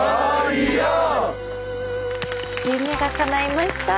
夢がかないました。